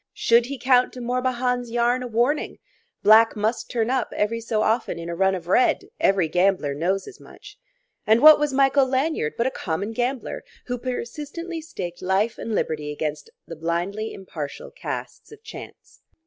Should he count De Morbihan's yarn a warning? Black must turn up every so often in a run of red: every gambler knows as much. And what was Michael Lanyard but a common gambler, who persistently staked life and liberty against the blindly impartial casts of Chance?